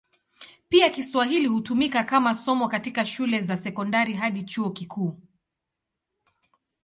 Pia Kiswahili hutumika kama somo katika shule za sekondari hadi chuo kikuu.